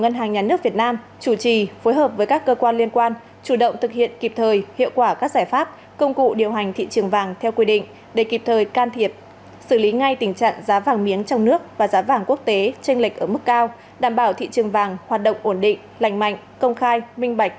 ngân hàng nhà nước việt nam chủ trì phối hợp với các cơ quan liên quan chủ động thực hiện kịp thời hiệu quả các giải pháp công cụ điều hành thị trường vàng theo quy định để kịp thời can thiệp xử lý ngay tình trạng giá vàng miếng trong nước và giá vàng quốc tế tranh lệch ở mức cao đảm bảo thị trường vàng hoạt động ổn định lành mạnh công khai minh bạch